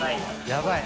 やばい？